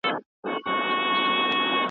بهرنیو مسافرو لي د ځانه سره وچې مېوې وړلي؟